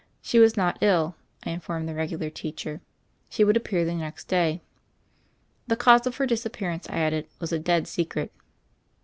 She was not ill, I informed the regular teacher; she would appear the next day. The cause of her disappearance, I added, was a dead secret.